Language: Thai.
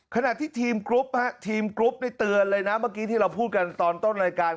ขณะที่ทีมกรุ๊ปทีมกรุ๊ปนี่เตือนเลยนะเมื่อกี้ที่เราพูดกันตอนต้นรายการ